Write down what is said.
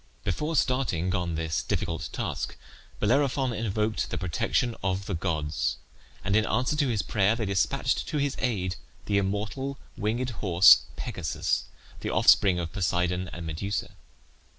Before starting on this difficult task Bellerophon invoked the protection of the gods, and in answer to his prayer they despatched to his aid the immortal winged horse Pegasus, the offspring of Poseidon and Medusa.